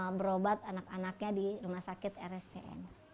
mereka berobat anak anaknya di rumah sakit rscn